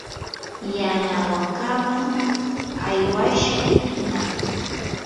yanawankaman aywashun tunaq.